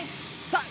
さあ